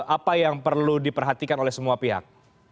apa yang perlu diperhatikan oleh semua pihak